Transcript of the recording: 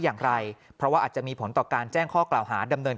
อย่างไรเพราะว่าอาจจะมีผลต่อการแจ้งข้อกล่าวหาดำเนิน